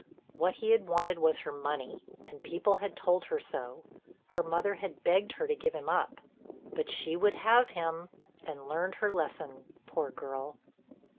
What he had wanted was her money, and people had told her so; her mother had begged her to give him up, but she would have him and learned her lesson, poor girl!